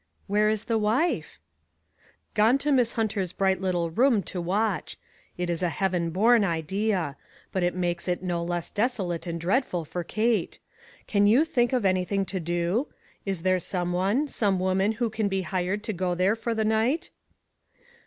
" "Where is the wife?" " Gone to Miss Hunter's bright little room to watch. It is a heaven born idea. But it makes it no less desolate and dread ful for Kate. Can you think of anything to do? Is there some one, some woman who can be hired to go there for the night?"